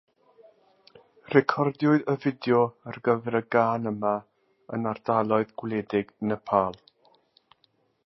Recordiwyd y fideo ar gyfer y gân yma yn ardaloedd gwledig Nepal.